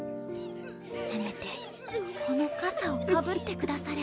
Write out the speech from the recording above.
せめてこのかさをかぶってくだされ』」。